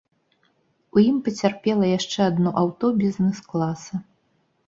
У ім пацярпела яшчэ адно аўто бізнес-класа.